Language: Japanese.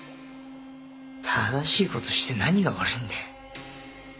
正しいことして何が悪いんだよ